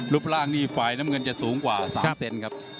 รูปร่างนี่ฝ่ายน้ำเงินจะสูงกว่า๓เซนครับ